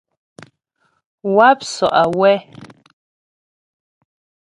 Wáp sɔ' awɛ́.